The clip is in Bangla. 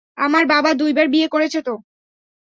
আমার বাবা দুইবার বিয়ে করেছে তো।